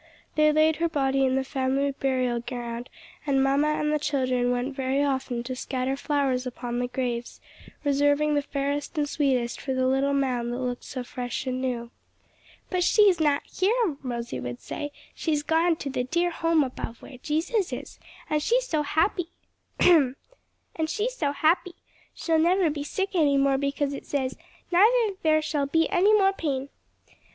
They laid her body in the family burialground and mamma and the children went very often to scatter flowers upon the graves, reserving the fairest and sweetest for the little mound that looked so fresh and new. "But she is not here," Rosie would say, "she's gone to the dear home above where Jesus is. And she's so happy. She'll never be sick any more because it says, 'Neither shall there be any more pain.'"